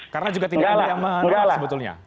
karena juga tidak ada yang menurut sebetulnya